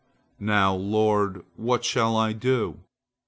Now, Lord, what shall I do?"